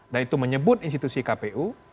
dan itu menyebut institusi kpu